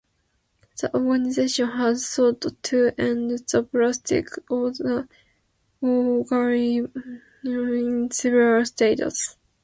The organization has sought to end the practice of gerrymandering in several states.